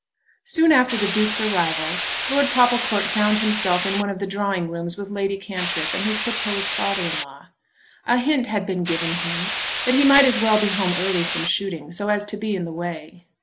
Soon after the Duke's arrival Lord Popplecourt found himself in one of the drawing rooms with Lady Cantrip and his proposed father in law. A hint had been given him that he might as well be home early from shooting, so as to be in the way.